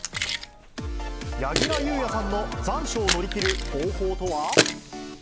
柳楽優弥さんの残暑を乗り切る方法とは。